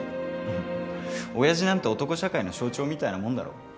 親父なんて男社会の象徴みたいなもんだろ。